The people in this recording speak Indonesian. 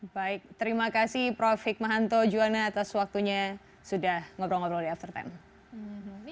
baik terima kasih prof hikmahanto juwana atas waktunya sudah ngobrol ngobrol di after sepuluh